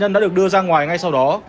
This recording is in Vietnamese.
nạn cháy đã được đưa ra ngoài ngay sau đó